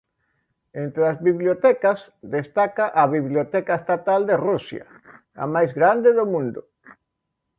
Entre as bibliotecas destaca a Biblioteca Estatal de Rusia, a máis grande do mundo.